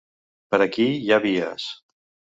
Per aquí hi ha vies.